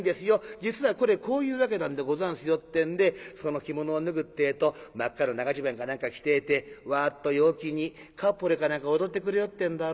実はこれこういうわけなんでござんすよ』ってんでその着物を脱ぐってぇと真っ赤な長じゅばんか何か着てぇてわあっと陽気にカッポレか何か踊ってくれよってんだろ？